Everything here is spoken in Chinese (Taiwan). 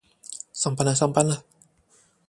上班了上班了